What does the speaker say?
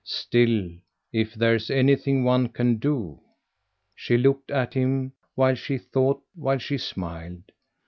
"Still, if there's anything one can do ?" She looked at him while she thought, while she smiled.